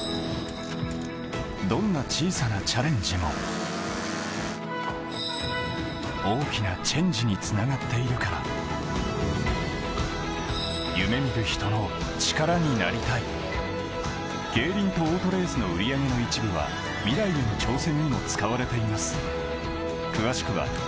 どんな小さなチャレンジも大きなチェンジにつながっているから夢見る人の力になりたい競輪とオートレースの売り上げの一部はミライへの挑戦にも使われています